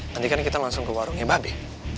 nanti kan kita langsung ke warungnya babe